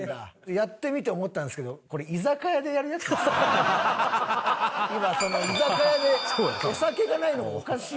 やってみて思ったんですけどこれ今居酒屋でお酒がないのがおかしい。